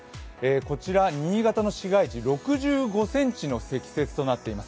こちら、新潟の市街地、６５ｃｍの積雪となっています